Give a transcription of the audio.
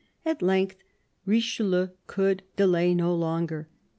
At length Richelieu could delay no longer.